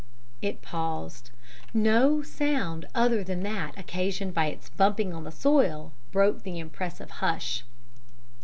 "It paused. No sound other than that occasioned by his bumping on the soil broke the impressive hush.